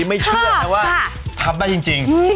ไม่เชื่อนะว่าทำได้จริง